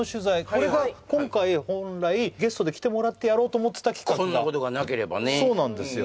これが今回本来ゲストで来てもらってやろうと思ってた企画がこんなことがなければねそうなんですよ